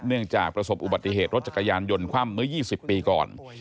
เนื่องจากประสบอุบัติเหตุรถจักรยานยนต์คว่ำเมื่อ๒๐ปีก่อน